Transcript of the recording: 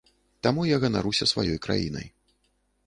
Таму я ганаруся сваёй краінай.